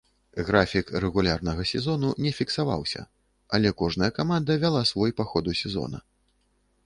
Графік рэгулярнага сезону не фіксаваўся, але кожная каманда вяла свой па ходу сезона.